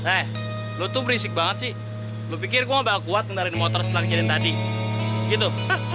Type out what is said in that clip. eh lo tuh berisik banget sih lo pikir gue gak bakal kuat ngariin motor setelah kirim tadi gitu